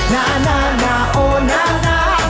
น่าน่าน่าโอ้น่าน่า